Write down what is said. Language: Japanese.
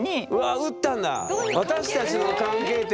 打ったんだ。